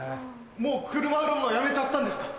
もう車売るのやめちゃったんですか？